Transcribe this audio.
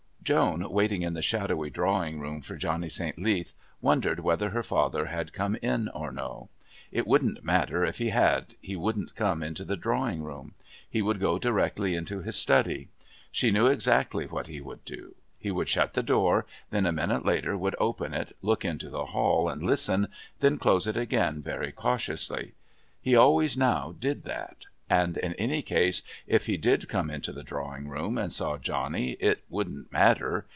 Joan, waiting in the shadowy drawing room for Johnny St. Leath, wondered whether her father had come in or no. It wouldn't matter if he had, he wouldn't come into the drawing room. He would go directly into his study. She knew exactly what he would do. He would shut the door, then a minute later would open it, look into the hall and listen, then close it again very cautiously. He always now did that. And in any case if he did come into the drawing room and saw Johnny it wouldn't matter.